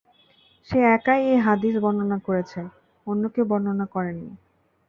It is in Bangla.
সে একাই এ হাদীস বর্ণনা করেছে, অন্য কেউ বর্ণনা করেননি।